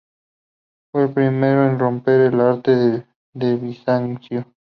Fue el primero en romper con el arte de Bizancio.